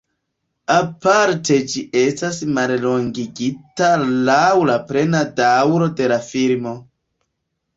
Aparte ĝi estas mallongigita laŭ la plena daŭro de la filmo.